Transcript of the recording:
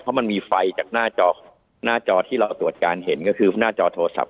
เพราะมันมีไฟจากหน้าจอหน้าจอที่เราตรวจการเห็นก็คือหน้าจอโทรศัพท